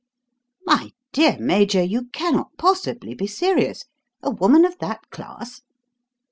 "My dear Major, you cannot possibly be serious! A woman of that class?"